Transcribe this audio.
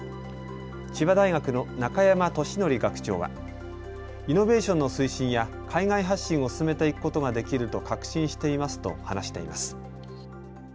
千葉大学の中山俊憲学長はイノベーションの推進や海外発信を進めていくことができると確信していますと話しています。